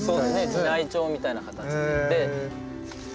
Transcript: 寺内町みたいな形で。